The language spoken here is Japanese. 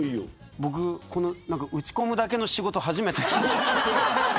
僕、打ち込むだけの仕事初めて。